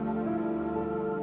kamu harus mencoba untuk mencoba